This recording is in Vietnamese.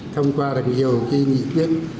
thông qua được nhiều cái nghị quyết